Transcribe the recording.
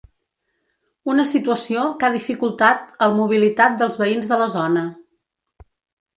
Una situació que ha dificultat al mobilitat dels veïns de la zona.